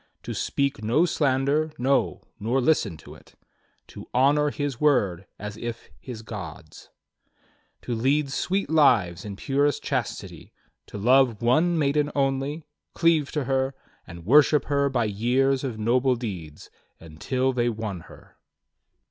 To speak no slander, no, nor listen to it. To honor his own word as if his God's, To lead sweet lives in purest chastity. To love one maiden only, cleave to her, And worship her by years of noble deeds. Until they won her."